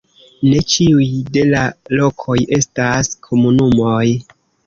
Ne ĉiuj de la lokoj estas komunumoj.